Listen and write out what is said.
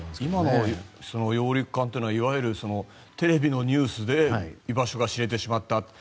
今の揚陸艦というのはいわゆるテレビのニュースで居場所が知れてしまった。